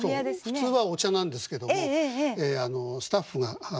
普通はお茶なんですけどもスタッフが今日は紅茶を。